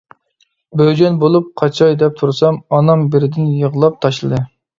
بۆجەن بولۇپ قاچاي دەپ تۇرسام، ئانام بىردىن يىغلاپ تاشلىدى.